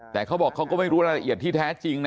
แต่เขาบอกเขาก็ไม่รู้รายละเอียดที่แท้จริงนะ